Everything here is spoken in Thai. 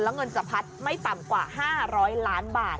แล้วเงินสะพัดไม่ต่ำกว่า๕๐๐ล้านบาท